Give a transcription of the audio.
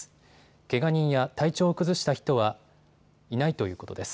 けが人や体調を崩した人はいないということです。